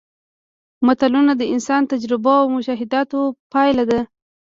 متلونه د انساني تجربو او مشاهداتو پایله ده